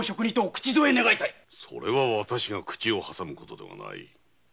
それは私が口を挟むことではない。